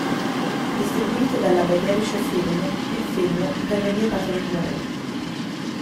Distribuito dalla Bayerische Film, il film venne vietato ai minori.